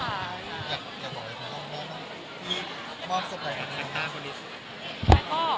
อยากบอกอีกครั้งที่มอบแสบแหลกของคุณ